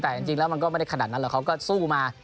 แต่จริงแล้วมันก็ไม่ได้ขนาดนั้นหรอกเขาก็สู้มา